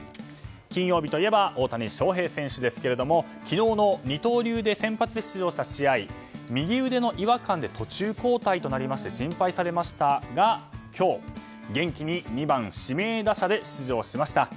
金曜日といえば大谷翔平選手ですけれども昨日の二刀流で先発出場した試合右腕の違和感で途中交代となりまして心配されましたが今日、元気に２番指名打者で出場しました。